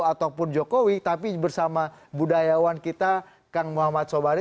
ataupun jokowi tapi bersama budayawan kita kang muhammad sobari